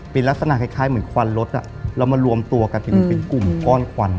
เป็นลักษณะคล้ายคล้ายเหมือนควันรถอ่ะเรามารวมตัวกันเป็นเป็นกลุ่มก้อนควันอ่ะ